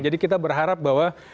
jadi kita berharap bahwa